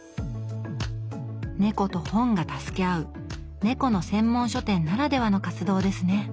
猫と本が助け合う猫の専門書店ならではの活動ですね